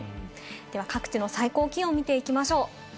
では各地の最高気温を見ていきましょう。